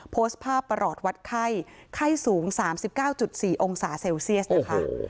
โพสต์ภาพประหลอดวัดไข้ไข้สูง๓๙๔องศาเซลเซียสนะคะ